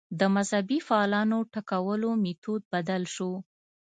د مذهبي فعالانو ټکولو میتود بدل شو